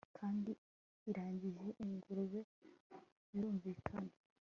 kandi arangije, ingurube, birumvikana